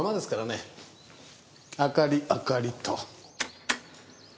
明かり明かりと。